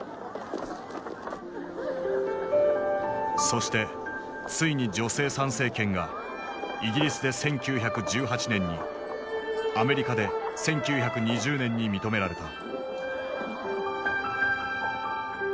そしてついに女性参政権がイギリスで１９１８年にアメリカで１９２０年に認められた。